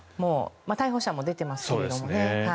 逮捕者も出ていますけどね。